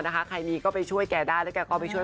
ใครมีก็ไปช่วยแกได้แล้วแกก็ไปช่วย